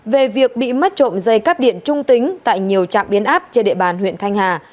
về việc bị mất trộm dây cắp điện trung tính tại nhiều trạm biến áp trên địa bàn huyện thanh hà